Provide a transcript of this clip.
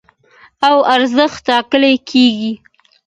او ارزښت ټاکل کېږي.